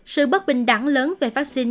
sự bất bình đẳng lớn về vaccine